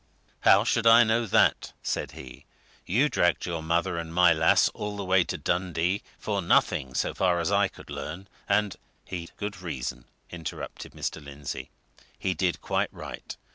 "How should I know that?" said he. "You dragged your mother and my lass all the way to Dundee for nothing so far as I could learn; and " "He'd good reason," interrupted Mr. Lindsey. "He did quite right.